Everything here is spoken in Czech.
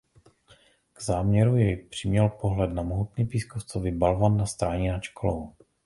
K záměru jej přiměl pohled na mohutný pískovcový balvan na stráni nad školou.